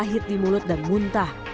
tepah hit di mulut dan muntah